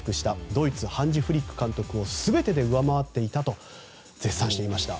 ドイツハンジ・フリック監督を全てで上回っていたと絶賛していました。